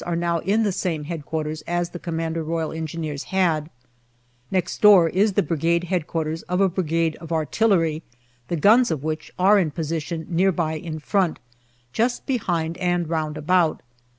are now in the same H.Q. as the C.R.E. had. Next door is the Brigade H.Q. of a Brigade of artillery, the guns of which are in position near by in front, just behind and round about.